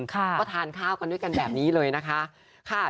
ก็ทานข้าวกันด้วยกันแบบนี้เลยนะคะ